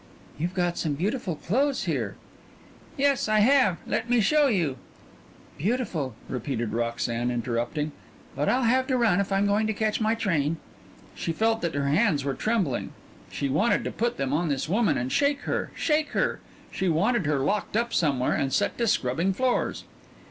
"You've got some beautiful clothes here." "Yes, I have. Let me show you " "Beautiful," repeated Roxanne, interrupting, "but I'll have to run if I'm going to catch my train." She felt that her hands were trembling. She wanted to put them on this woman and shake her shake her. She wanted her locked up somewhere and set to scrubbing floors.